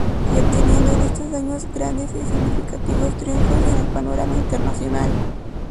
Y obteniendo en estos años grandes y significativos triunfos en el panorama internacional.